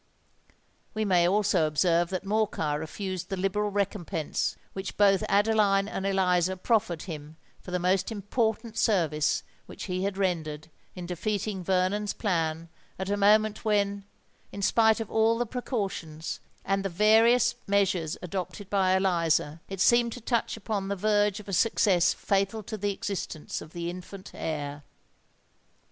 We may also observe that Morcar refused the liberal recompense which both Adeline and Eliza proffered him for the most important service which he had rendered in defeating Vernon's plan at a moment when, in spite of all the precautions and the various measures adopted by Eliza, it seemed to touch upon the verge of a success fatal to the existence of the infant heir.